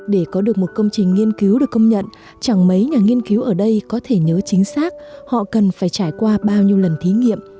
để có được một công trình nghiên cứu được công nhận chẳng mấy nhà nghiên cứu ở đây có thể nhớ chính xác họ cần phải trải qua bao nhiêu lần thí nghiệm